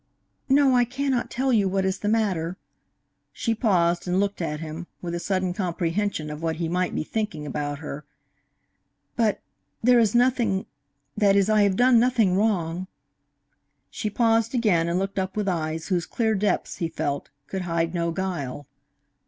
"No, I cannot tell you what is the matter" she paused and looked at him, with a sudden comprehension of what he might be thinking about her "but there is nothing that is I have done nothing wrong " She paused again and looked up with eyes whose clear depths, he felt, could hide no guile.